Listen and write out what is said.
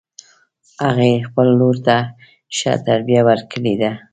هغې خپل لور ته ښه تربیه ورکړې ده